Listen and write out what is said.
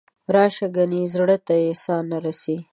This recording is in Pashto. راشه ګنې زړه ته یې ساه نه رسي.